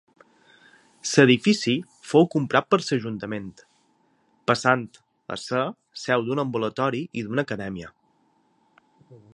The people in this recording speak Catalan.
L'edifici fou comprat per l'ajuntament, passant a ésser seu d'un ambulatori i d'una acadèmia.